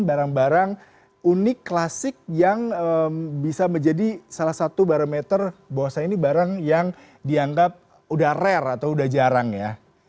barang barang unik klasik yang bisa menjadi salah satu barometer bahwasannya ini barang yang dianggap udah rare atau udah jarang ya